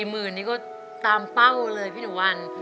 ๔๐๐๐๐บาทตามเป้าเลยพี่หนูวัน